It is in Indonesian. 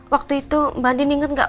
waktu itu mbak andin inget gak